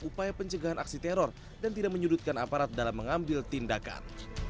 upaya pencegahan aksi teror dan tidak menyudutkan aparat dalam mengambil tindakan